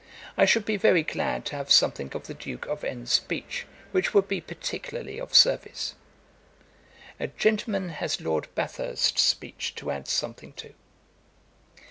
I should be very glad to have something of the Duke of N le's speech, which would be particularly of service. 'A gentleman has Lord Bathurst's speech to add something to.'